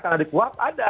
karena di puap ada